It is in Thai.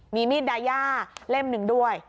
มีมีดดายาเล่มหนึ่งด้วย